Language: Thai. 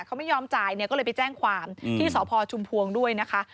เขาไม่ยอมจ่ายเนี่ยก็เลยไปแจ้งความที่สพชุมพวงด้วยนะคะ